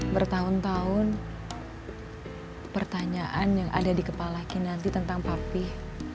bertahun tahun pertanyaan yang ada di kepala kinanti tentang papih